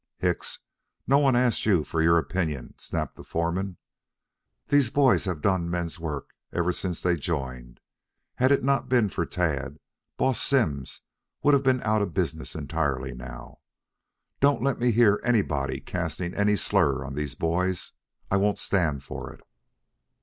"Hicks, no one asked you for your opinion," snapped the foreman. "These boys have done men's work ever since they joined. Had it not been for Tad, Boss Simms would have been out of business entirely now. Don't let me hear anybody casting any slurs on these boys. I won't stand for it."